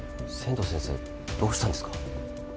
仙道先生どうしたんですか？